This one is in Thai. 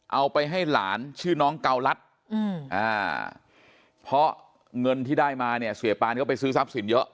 เอาไปให้หลานชื่อน้องเการัฐเพราะเงินที่ได้มาเนี่ยเสียปานก็ไปซื้อทรัพย์สินเยอะ